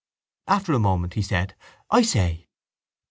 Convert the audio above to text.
After a moment he said: —I say!